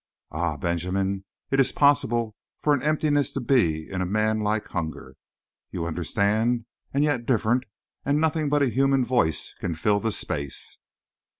"Ah, Benjamin, it is possible for an emptiness to be in a manlike hunger, you understand, and yet different and nothing but a human voice can fill the space."